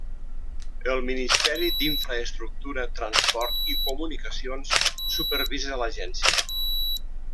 El Ministeri d'Infraestructura, Transport i Comunicacions supervisa l'agència.